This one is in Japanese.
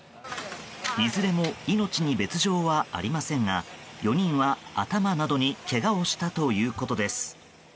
いずれも命に別条はありませんが４人は頭などにけがをしたということです。